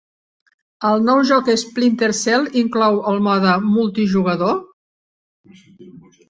El nou joc Splinter Cell inclou el mode multijugador?